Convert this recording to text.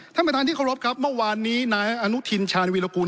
ท่านประธานที่เคารพครับเมื่อวานนี้นายอนุทินชาญวีรกูล